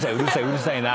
うるさいな。